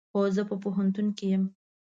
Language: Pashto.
هو، زه په پوهنتون کې یم